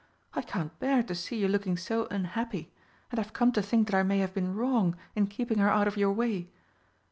I can't bear to see you looking so unhappy, and I've come to think that I may have been wrong in keeping her out of your way.